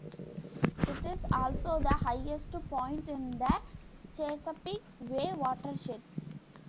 It also is the highest point in the Chesapeake Bay Watershed.